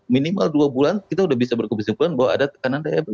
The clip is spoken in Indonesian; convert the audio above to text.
minimal dua bulan kita sudah bisa berkeputusan bahwa ada tekanan daya beli